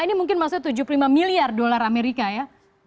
ini mungkin maksudnya tujuh puluh lima miliar dolar amerika ya